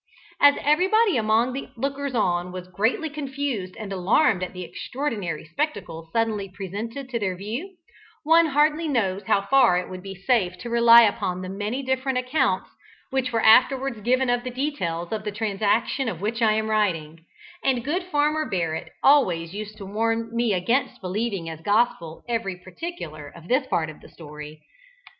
As everybody among the lookers on was greatly confused and alarmed at the extraordinary spectacle suddenly presented to their view, one hardly knows how far it would be safe to rely upon the many different accounts which were afterwards given of the details of the transaction of which I am writing, and good Farmer Barrett always used to warn me against believing as gospel every particular of this part of the story.